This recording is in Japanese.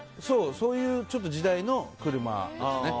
そういう時代の車ですね。